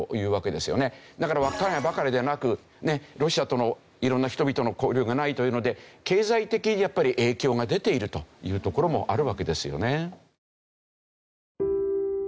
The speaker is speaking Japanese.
だから稚内ばかりではなくロシアとの色んな人々の交流がないというので経済的にやっぱり影響が出ているというところもあるわけですよね。